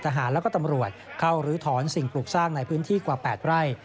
ทหารและก็ตำรวจเข้ารื้อถอนสิ่งปลูกสร้างในพื้นที่กว่า๘ไร่